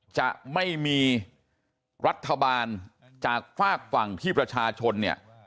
จะไม่มีรัฐบาลจากฝากฝั่งที่ประชาชนเนี่ย